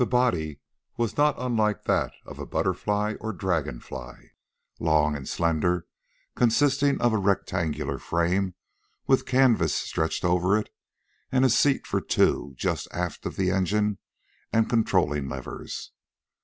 The body was not unlike that of a butterfly or dragon fly, long and slender, consisting of a rectangular frame with canvas stretched over it, and a seat for two just aft of the engine and controlling levers.